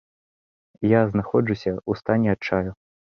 Я знаходжуся ў стане адчаю.